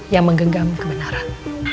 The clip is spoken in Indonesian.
yang menggenggam kebenaran